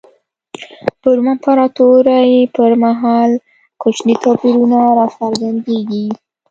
په روم امپراتورۍ پر مهال کوچني توپیرونه را څرګندېږي.